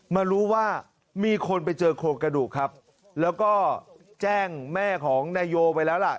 มารู้ว่ามีคนไปเจอโครงกระดูกครับแล้วก็แจ้งแม่ของนายโยไปแล้วล่ะ